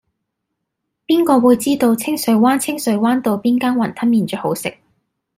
邊個會知道清水灣清水灣道邊間雲吞麵最好食